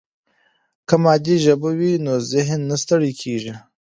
که مادي ژبه وي نو ذهن نه ستړی کېږي.